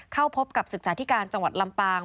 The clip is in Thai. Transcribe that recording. เข้าพบกับศึกษาธิการจังหวัดลำปาง